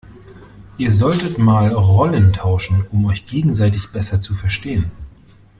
Ihr solltet mal Rollen tauschen, um euch gegenseitig besser zu verstehen.